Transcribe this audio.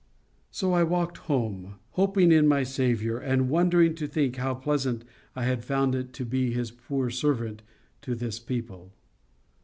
So I walked home, hoping in my Saviour, and wondering to think how pleasant I had found it to be His poor servant to this people.